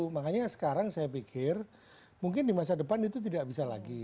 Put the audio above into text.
makanya sekarang saya pikir mungkin di masa depan itu tidak bisa lagi